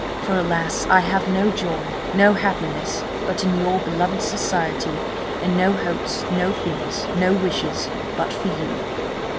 for alas! I have no joy, no happiness, but in your beloved society, and no hopes, no fears, no wishes, but for you.'